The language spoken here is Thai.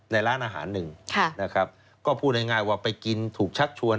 ในร้านอาหารหนึ่งนะครับก็พูดง่ายว่าไปกินถูกชักชวน